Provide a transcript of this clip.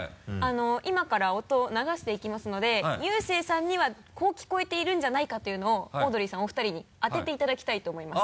今から音を流していきますのでゆうせいさんにはこう聞こえているんじゃないかというのをオードリーさんお二人に当てていただきたいと思います。